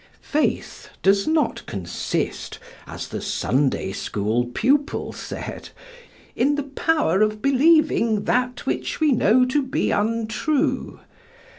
Faith does not consist, as the Sunday School pupil said, "in the power of believing that which we know to be untrue."